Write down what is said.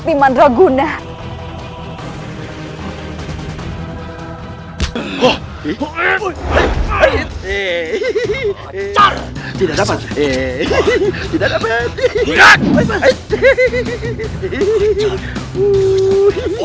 lepaskan ini senjataku